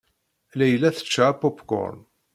Layla tečča apupkuṛn.